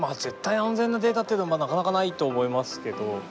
絶対安全なデータというのはなかなかないと思いますけど。